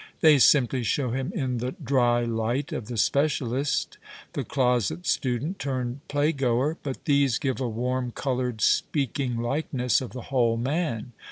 The}' simply show him in the " dry light " of the specialist, the closet student turned playgoer, but these give a warm, coloured, speaking hkeness of the whole man.